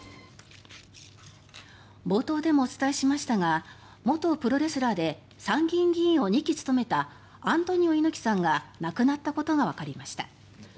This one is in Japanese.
冒頭でもお伝えしましたが元プロレスラーで参議院議員を２期務めたアントニオ猪木さんが亡くなったことがわかりました。